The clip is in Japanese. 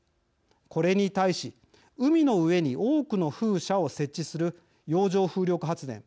これに対し、海の上に多くの風車を設置する洋上風力発電。